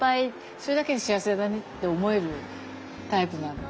それだけで幸せだねって思えるタイプなので。